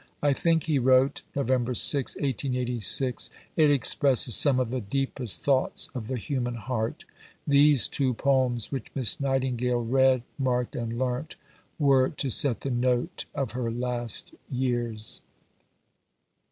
"I think," he wrote (Nov. 6, 1886), "it expresses some of the deepest thoughts of the human heart." These two poems which Miss Nightingale read, marked, and learnt, were to set the note of her last years.